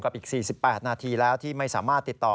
อีก๔๘นาทีแล้วที่ไม่สามารถติดต่อ